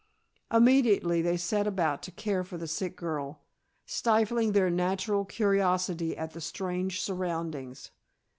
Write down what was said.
Immediately they set about to care for the sick girl, stifling their natural curiosity at the strange surroundings.